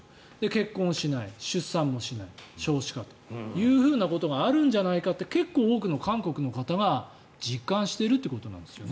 結婚しない、出産もしない少子化ということがあるんじゃないかって結構多くの韓国の方が実感しているということなんですね。